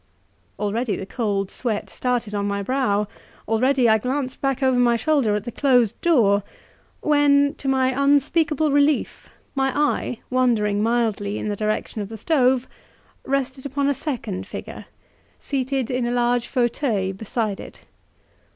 Already the cold sweat started on my brow, already I glanced back over my shoulder at the closed door, when, to my unspeakable relief, my eye, wandering mildly in the direction of the stove, rested upon a second figure, seated in a large fauteuil beside it.